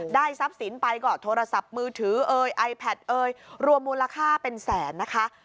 ได้ทรัพย์สินไปก่อโทรศัพท์มือถือไอแพท์รวมมูลค่าเป็นแสนนะคะ